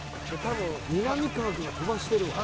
みなみかわ君は飛ばしてるよね。